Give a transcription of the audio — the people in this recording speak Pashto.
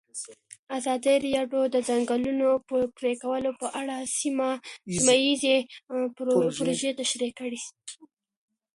ازادي راډیو د د ځنګلونو پرېکول په اړه سیمه ییزې پروژې تشریح کړې.